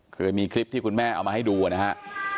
คือมีคลิปที่คุณแม่เอามาให้ดูนะฮะ